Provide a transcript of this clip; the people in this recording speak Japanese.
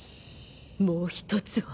もう一つは。